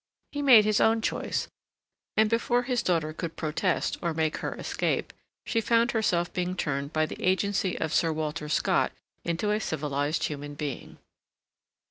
He made his own choice, and before his daughter could protest or make her escape, she found herself being turned by the agency of Sir Walter Scott into a civilized human being.